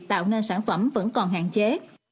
tạo nên sản phẩm vẫn còn hạn chế